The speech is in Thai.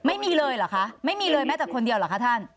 ไม่มีเลยเหรอคะไม่มีเลยแม้แต่คนเดียวเหรอคะท่าน